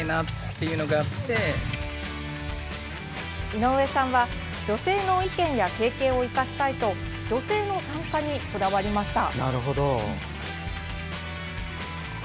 井上さんは女性の意見や経験を生かしたいと女性の参加にこだわりました。